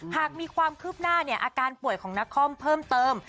หากมีความคืบหน้าอาการป่วยของนครเพิ่มเติม